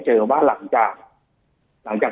จนถึงปัจจุบันมีการมารายงานตัว